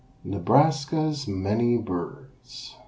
NEBRASKA'S MANY BIRDS.